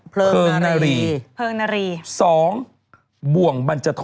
๑เพลิงนารี๒บ่วงบัญจฐร